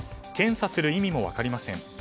検査する意味も分かりません。